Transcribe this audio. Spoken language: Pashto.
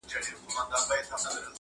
• زما په ږغ به د سرو ګلو غنچي وا سي..